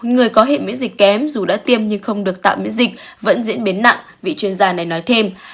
người có hệ miễn dịch kém dù đã tiêm nhưng không được tạm miễn dịch vẫn diễn biến nặng vị chuyên gia này nói thêm